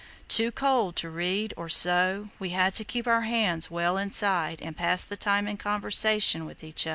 Too cold to read or sew, we had to keep our hands well inside, and pass the time in conversation with each other.